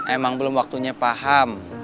emang belum waktunya paham